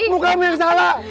mukamu yang salah